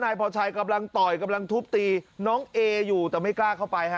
พอชัยกำลังต่อยกำลังทุบตีน้องเออยู่แต่ไม่กล้าเข้าไปฮะ